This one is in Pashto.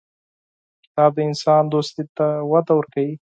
کتاب د انسان دوستي ته وده ورکوي.